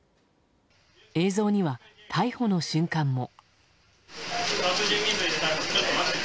映像には、逮捕の瞬間も。